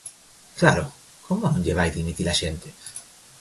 Claro, ¿como non lle vai dimitir a xente?